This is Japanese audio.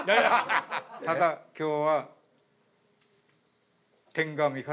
ただ今日は。